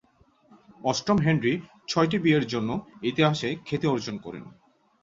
অষ্টম হেনরি ছয়টি বিয়ের জন্য ইতিহাসে খ্যাতি অর্জন করেন।